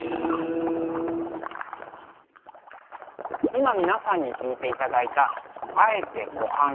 今皆さんに聴いていただいた「敢えて湖畔」。